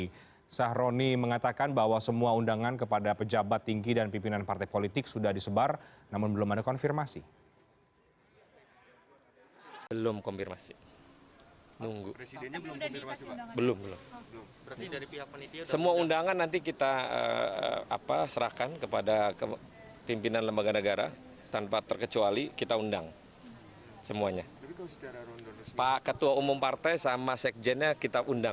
ahmad sahroni mengatakan bahwa semua undangan kepada pejabat tinggi dan pimpinan partai politik sudah disebar namun belum ada konfirmasi